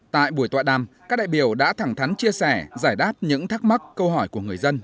tại buổi tọa đàm các đại biểu đã thẳng thắn chia sẻ giải đáp những thắc mắc câu hỏi của người dân